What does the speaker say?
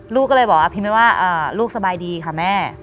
ลูกก็เลยบอกอะพิมพ์ไว้ว่าอ่าลูกสบายดีค่ะแม่